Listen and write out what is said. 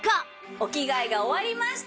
お着替えが終わりました。